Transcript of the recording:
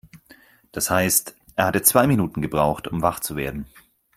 Das heißt, er hatte zwei Minuten gebraucht, um wach zu werden.